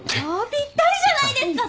ぴったりじゃないですか。